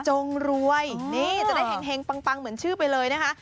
รวยนี่จะได้แห่งปังเหมือนชื่อไปเลยนะคะ